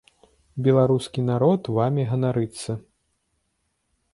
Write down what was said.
Беларускі народ вамі ганарыцца.